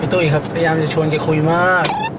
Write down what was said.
ตุ้ยครับพยายามจะชวนแกคุยมาก